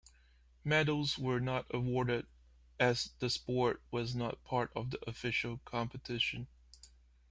Medals were not awarded, as the sport was not part of the official competition.